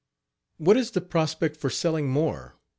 " "What is the prospect for selling more?